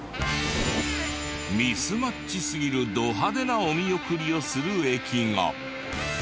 ミスマッチすぎるド派手なお見送りをする駅が。